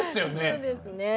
そうですね。